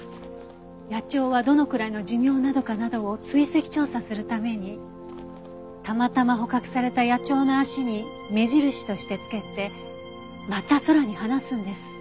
野鳥はどのくらいの寿命なのかなどを追跡調査するためにたまたま捕獲された野鳥の足に目印としてつけてまた空に放すんです。